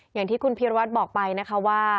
อย่างที่คุณพีรวัตรบอกไปนะคะว่า